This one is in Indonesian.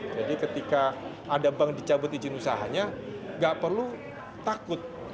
jadi ketika ada bank dicabut izin usahanya gak perlu takut